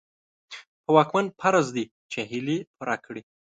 په واکمن فرض دي چې هيلې پوره کړي.